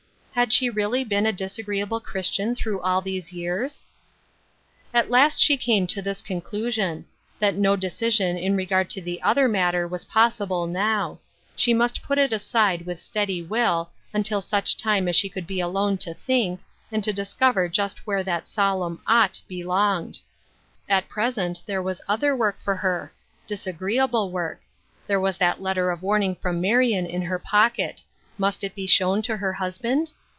Had she really been a disagreeable Christian through all these years ? At last she came to this conclusion : that no decision in regard to the other matter was possi ble now ; she must put it aside with steady will, until such time as she could be alone to think, and to discover just where that solemn " ought " belonged. At present there was other work for ON THE MOUNT AND IN THE VALLEY. 199 her — disagreeable work; there was that letter of warning from Marion in her pocket. Must it be shown to her husband